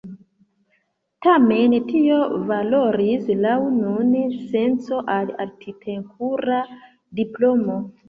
Tamen tio valoris laŭ nuna senco al arkitektura diplomo.